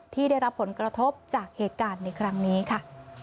ที่ได้รับผลกระทบจากเหตุการณ์ในครั้งนี้ค่ะ